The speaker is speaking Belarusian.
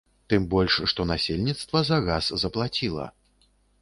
Тым больш, што насельніцтва за газ заплаціла.